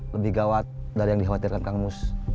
lebih gawat dari yang dikhawatirkan kang mus